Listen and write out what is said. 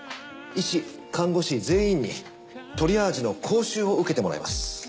医師看護師全員にトリアージの講習を受けてもらいます。